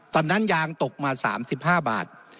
ตอนนั้นยางตกมา๓๕บาท